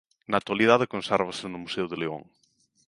Na actualidade consérvase no museo de León.